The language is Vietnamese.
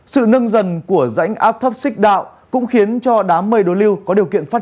sự nâng dần của rãnh áp thấp xích đạo cũng khiến cho đám mây đối lưu có điều kiện phát